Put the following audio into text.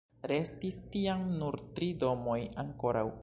Restis tiam nur tri domoj ankoraŭ.